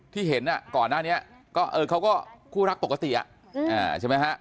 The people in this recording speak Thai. ที่เห็นก่อนหน้านี้ก็เขาก็คู่รักปกติใช่ไหมฮะ